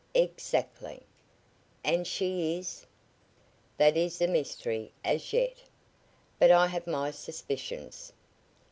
"Exactly." "And she is " "That is a mystery as yet, but I have my suspicions.